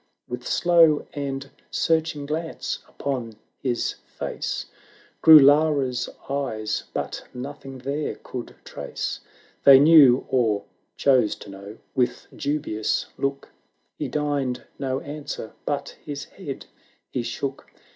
With slow and searching glance upon his face Grew Lara's eyes, but nothing there could trace They knew, or chose to know — with dubious look He deigned no answer, but his head he shook.